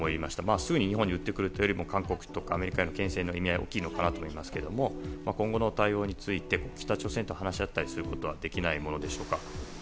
すぐに日本に撃ってくるというよりも、韓国やアメリカに牽制の意味合いが大きいと思いますけど今後の対応について、北朝鮮と話し合ったりすることはできないものなんでしょうか？